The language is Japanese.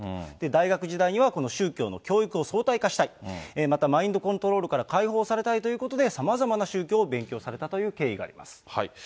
大学時代には、この宗教の教育を相対化したい、またマインドコントロールから解放されたいということで、さまざまな宗教を勉強されたという経緯があります。